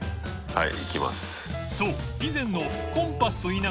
はい。